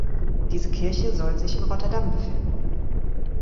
Diese Kirche soll sich in Rotterdam befinden.